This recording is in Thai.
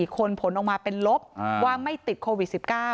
คนผลออกมาเป็นลบว่าไม่ติดโควิด๑๙